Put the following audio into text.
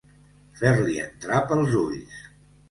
Fer-li entrar pels ulls.